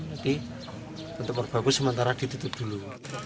nanti untuk perbagus sementara ditutup dulu